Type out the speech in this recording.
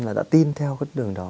và đã tin theo đường đó